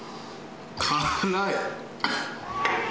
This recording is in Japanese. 辛い！